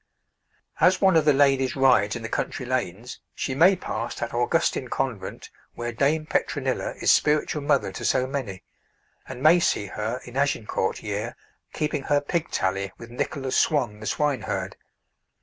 As one of the ladies rides in the country lanes, she may pass that Augustine convent where Dame Petronilla is spiritual Mother to so many, and may see her in Agincourt year keeping her pig tally with Nicholas Swon, the swineherd.